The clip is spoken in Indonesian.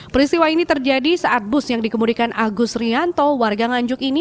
peristiwa ini terjadi saat bus yang dikemudikan agus rianto warga nganjuk ini